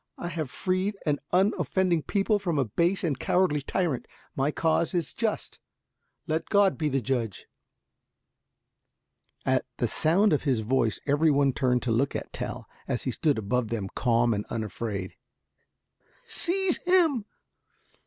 I have but freed an unoffending people from a base and cowardly tyrant. My cause is just, let God be the judge." At the sound of his voice every one turned to look at Tell, as he stood above them calm and unafraid. "Seize him!"